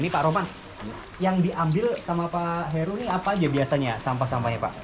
ini pak roman yang diambil sama pak heru ini apa aja biasanya sampah sampahnya pak